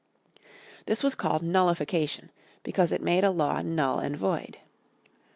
This was called nullification because it made a law null and void.